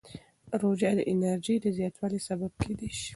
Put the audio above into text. روژه د انرژۍ د زیاتوالي سبب کېدای شي.